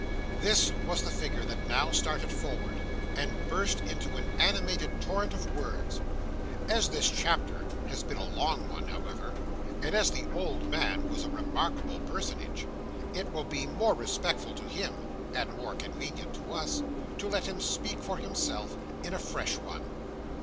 This was the figure that now started forward, and burst into an animated torrent of words. As this chapter has been a long one, however, and as the old man was a remarkable personage, it will be more respectful to him, and more convenient to us, to let him speak for himself in a fresh one.